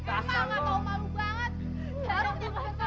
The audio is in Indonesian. emang gak tau malu banget